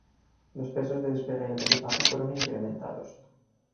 Los pesos de despegue y aterrizaje fueron incrementados.